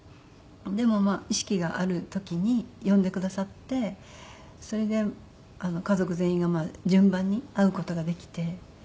でもまあ意識がある時に呼んでくださってそれで家族全員がまあ順番に会う事ができて。